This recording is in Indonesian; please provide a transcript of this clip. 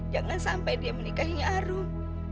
jangan sampai dia menikahinya arum